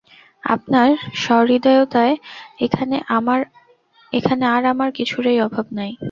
আপনার সহৃদয়তায় এখানে আর আমার কিছুরই অভাব নাই।